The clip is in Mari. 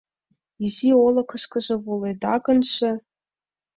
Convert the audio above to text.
Изи олыкышкыжо воледа гынже